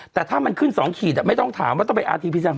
แต่ถ้ามันขึ้น๒ขีดไม่ต้องถามว่าต้องไปอาทีพีซัน